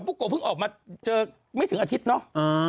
โกะเพิ่งออกมาเจอไม่ถึงอาทิตย์เนาะ